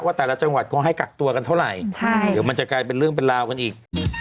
แต่ละจังหวัดเขาให้กักตัวกันเท่าไหร่ใช่เดี๋ยวมันจะกลายเป็นเรื่องเป็นราวกันอีก